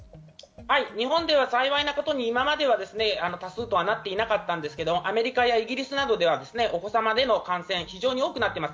日本では幸いなことに今までは多数ではなかったんですが、アメリカやイギリスではお子さんの感染、非常に多くなっています。